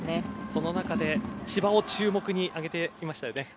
その中で、千葉を注目に挙げていましたよね。